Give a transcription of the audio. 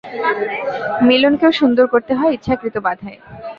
মিলনকেও সুন্দর করতে হয় ইচ্ছাকৃত বাধায়।